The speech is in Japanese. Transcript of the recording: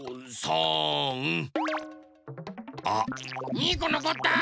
２このこった！